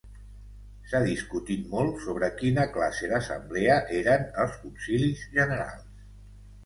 S'ha discutit molt sobre quina classe d'Assemblea eren els Concilis generals.